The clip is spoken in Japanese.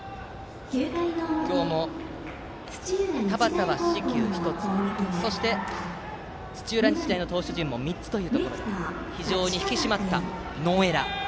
今日も田端は四死球１つそして土浦日大の投手陣も３つで非常に引き締まったノーエラー。